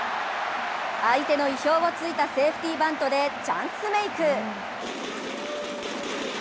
相手の意表をついたセーフティバントでチャンスメーク。